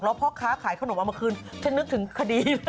แล้วพ่อค้าขายขนมเอามาคืนฉันนึกถึงคดี